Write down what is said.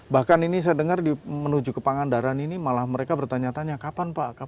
bahkan ini saya dengar menuju ke pangandaran ini malah mereka bertanya tanya kapan pak